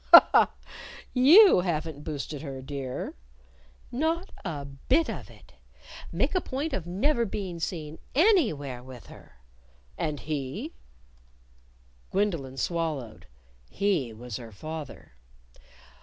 "Ha! ha! You haven't boosted her, dear?" "Not a bit of it! Make a point of never being seen _any_where with her." "And he?" Gwendolyn swallowed. He was her father.